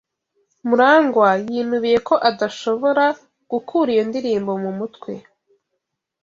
MuragwA yinubiye ko adashobora gukura iyo ndirimbo mu mutwe.